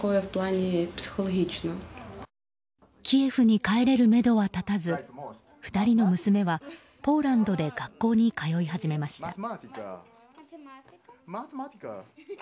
キエフに帰れるめどは立たず２人の娘はポーランドで学校に通い始めました。